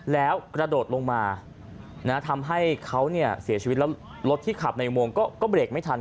แล้วกระโดดลงมาทำให้เขาเสียชีวิตแล้วรถที่ขับในอุโมงก็เบรกไม่ทัน